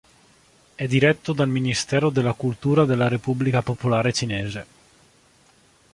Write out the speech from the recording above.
È diretto dal Ministero della Cultura della Repubblica Popolare Cinese.